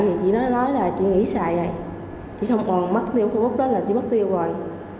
thì chị nói là chị nghỉ xài rồi chị không còn mất tiêu facebook đó là chị mất tiêu rồi